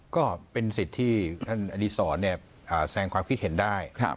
ก็เป็นสิทธิ์ที่ท่านอดีศรแสงความคิดเห็นได้